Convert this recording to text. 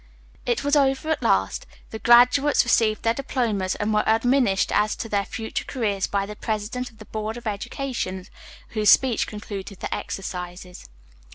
It was over at last, the graduates received their diplomas and were admonished as to their future careers by the president of the Board of Education, whose speech concluded the exercises.